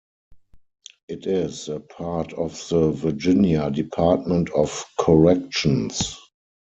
It is a part of the Virginia Department of Corrections.